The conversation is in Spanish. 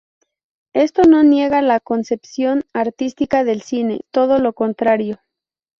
Esto no niega la concepción artística del cine, todo lo contrario.